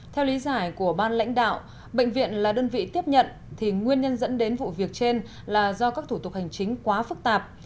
theo lý giải của ban lãnh đạo bệnh viện là đơn vị tiếp nhận thì nguyên nhân dẫn đến vụ việc trên là do các thủ tục hành chính quá phức tạp